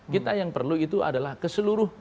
kita yang perlu itu adalah keseluruh daerah